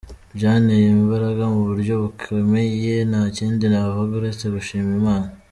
Byanteye imbaraga mu buryo bukomeye, nta kindi navuga uretse gushima Imana.